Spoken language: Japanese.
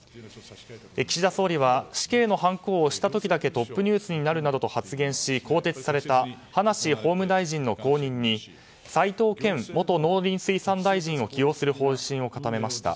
岸田総理は死刑のはんこを押した時だけトップニュースになるなどと発言し、更迭された葉梨法務大臣の後任に齋藤健元農林水産大臣を起用する方針を固めました。